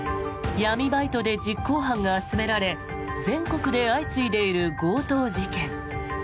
闇バイトで実行犯が集められ全国で相次いでいる強盗事件。